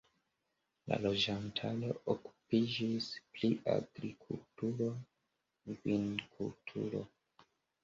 La loĝantaro okupiĝis pri agrikulturo, vinkulturo.